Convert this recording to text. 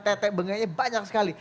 tetek bengenya banyak sekali